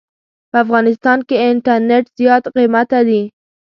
په افغانستان کې انټرنيټ زيات قيمته دي.